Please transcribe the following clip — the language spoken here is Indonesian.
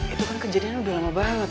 itu kan kejadian lo udah lama banget